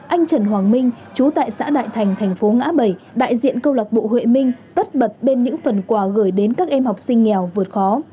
anh trần hoàng minh chú tại xã đại thành thành phố ngã bảy đại diện câu lạc bộ huệ minh tất bật bên những phần quà gửi đến các em học sinh nghèo vượt khó